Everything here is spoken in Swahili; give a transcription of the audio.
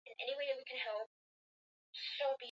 siagi itakayo hitajika ni gram mia mbili hamsini